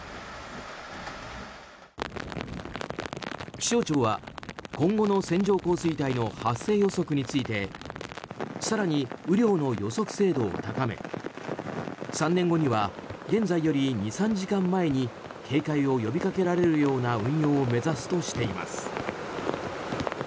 気象庁は、今後の線状降水帯の発生予測について更に、雨量の予測精度を高め３年後には現在より２３時間前に警戒を呼びかけられるような運用を目指すとしています。